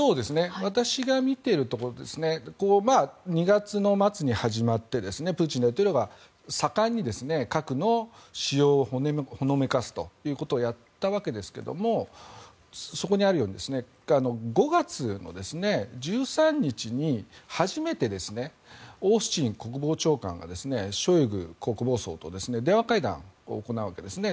私が見ているところでは２月の末に始まってプーチン大統領が盛んに、核の使用をほのめかすということをやったわけですけどもそこにあるように５月の１３日に初めて、オースティン国防長官がショイグ国防相と電話会談を行うわけですね。